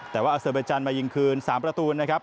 แต่ว่าอเซอร์เบจันทร์มายิงคืน๓ประตูนะครับ